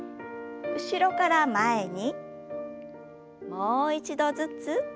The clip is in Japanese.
もう一度ずつ。